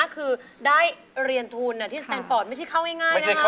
อายุ๒๔ปีวันนี้บุ๋มนะคะ